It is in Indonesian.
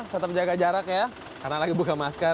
tetap jaga jarak ya karena lagi buka masker